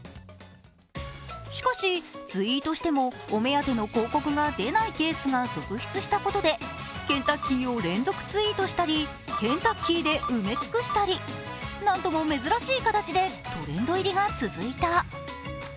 しかし、ツイートしてもお目当ての広告が出ないケースが続出したことで、ケンタッキーを連続ツイートしたりケンタッキーで埋め尽くしたり、何とも珍しい形でトレンド入りが続いた。